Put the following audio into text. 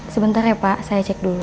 sebentar ya pak saya cek dulu